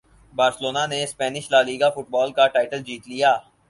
Barcelona نے Spanish La Liga football کا title جیت لیا